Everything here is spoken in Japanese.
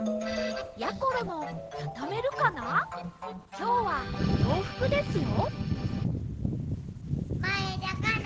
きょうはようふくですよ。